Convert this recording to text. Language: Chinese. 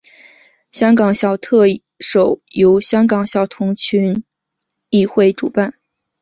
香港小特首由香港小童群益会主办。